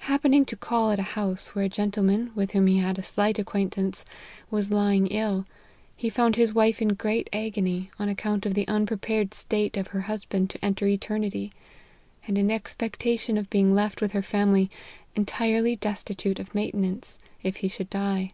Happening to call at a house where a gentleman, with whom he had a slight acquaintance, was lying ill, he found his wife in great agony, on account of the unprepared state of her husband to enter eter nity, and in expectation of being left with her family entirely destitute of maintenance, if he should die.